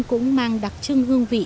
cũng mang đặc trưng hương vị